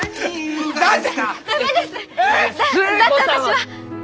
だって私は！